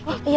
wah itu dia